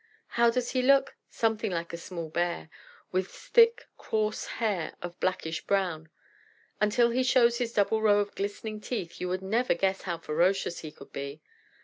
How does he look? Something like a small bear, with thick coarse hair of blackish brown. Until he shows his double row of glistening teeth, you would never guess how ferocious he could be.